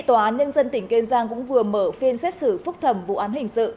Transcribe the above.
cơ quan nhân dân tỉnh kiên giang cũng vừa mở phiên xét xử phúc thẩm vụ án hình sự